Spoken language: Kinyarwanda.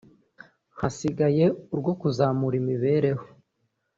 hasigaye urwo kuzamura imibereho